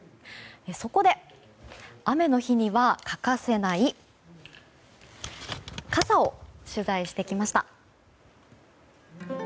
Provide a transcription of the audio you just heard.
そこで、雨の日には欠かせない傘を取材してきました。